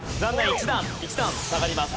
１段１段下がります。